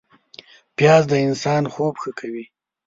پیاز د انسان خوب ښه کوي